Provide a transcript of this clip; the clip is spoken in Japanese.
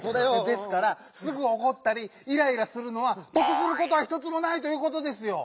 ですから「すぐおこったりイライラするのはとくすることはひとつもない」ということですよ。